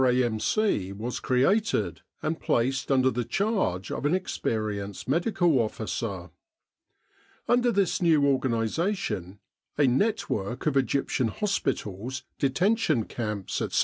A.M.C. was created and placed under the charge of an experienced Medical Officer. Under this new organisation a network of Egyptian hospitals, detention camps, etc.